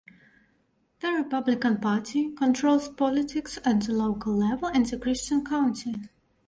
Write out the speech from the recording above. The Republican Party controls politics at the local level in Christian County.